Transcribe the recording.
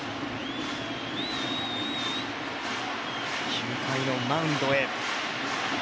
９回のマウンドへ。